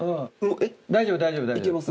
大丈夫大丈夫大丈夫。